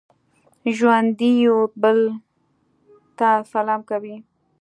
ژوندي یو بل ته سلام کوي